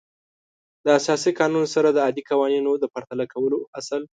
د اساسي قانون سره د عادي قوانینو د پرتله کولو اصل